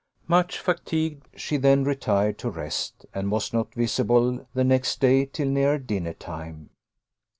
Much fatigued, she then retired to rest, and was not visible the next day till near dinner time.